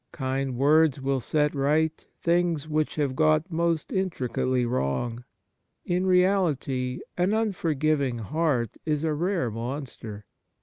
Kind words will set right things which have got most intricately wrong. In reality an unforgiving heart is a rare monster.